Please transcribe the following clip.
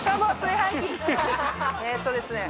えっとですね